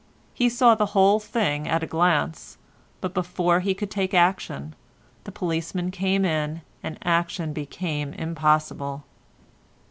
He saw the whole thing at a glance, but before he could take action, the policemen came in and action became impossible.